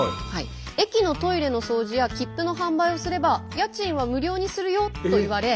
「駅のトイレの掃除や切符の販売をすれば家賃は無料にするよ」と言われ２６年？